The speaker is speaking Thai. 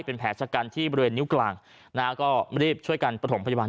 เป็นแผลชะกันที่บริเวณนิ้วกลางนะฮะก็รีบช่วยกันประถมพยาบาล